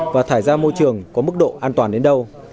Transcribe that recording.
và thải ra môi trường có mức độ an toàn đến đâu